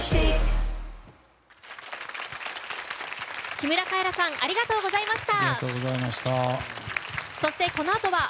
木村カエラさんありがとうございました。